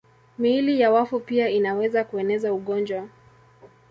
Miili ya wafu pia inaweza kueneza ugonjwa.